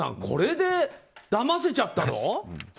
これで、だませちゃったの？